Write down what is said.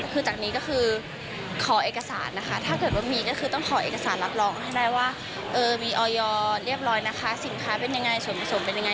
คือจากนี้ก็คือขอเอกสารนะคะถ้าเกิดว่ามีก็คือต้องขอเอกสารรับรองให้ได้ว่ามีออยอร์เรียบร้อยนะคะสินค้าเป็นยังไงส่วนผสมเป็นยังไง